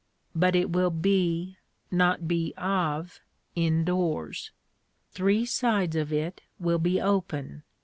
But it will be, not be of, indoors. Three sides of it will be open.